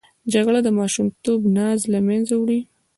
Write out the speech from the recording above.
جګړه د ماشومتوب ناز له منځه وړي